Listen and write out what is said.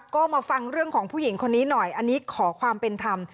ก็มาฟังเรื่องของผู้หญิงคนนี้หน่อยอันนี้ขอความเป็นธรรม